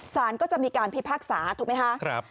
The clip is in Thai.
ศาลก็จะมีการพิพากษาถูกไหมฮะครับ